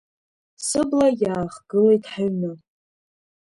Сыбла иаахгылеит ҳаҩны.